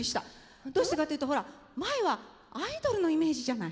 どうしてかっていうとほら前はアイドルのイメージじゃない。